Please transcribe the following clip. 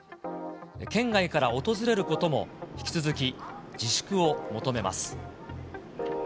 県外から訪れることも引き続き、自粛を求めます。